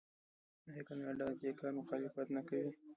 آیا کاناډا د دې کار مخالفت نه کوي؟